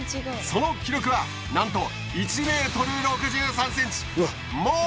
その記録はなんと１ｍ６３ｃｍ！